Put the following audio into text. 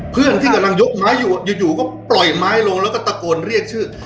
เพื่อนที่กำลังยกไม้อยู่อยู่ก็ปล่อยไม้ลงแล้วก็ตะโกนเรียกชื่อ